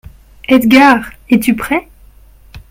Edgard ! es-tu prêt ?